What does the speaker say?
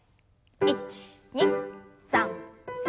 １２３４。